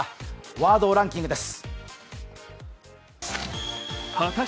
ワードランキングです。